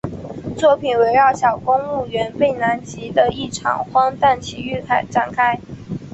作品围绕小公务员贝兰吉的一场荒诞奇遇展开。